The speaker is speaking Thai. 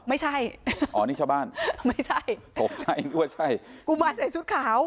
ไม่ใช่อ๋อนี่ชาวบ้านไม่ใช่ตกใจนึกว่าใช่กุมารใส่ชุดขาว